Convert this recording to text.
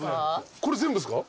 これ全部っすか？